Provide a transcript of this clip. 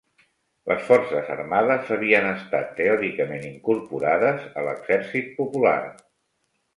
Les forces armades havien estat teòricament incorporades a l'Exèrcit Popular